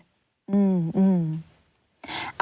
อืม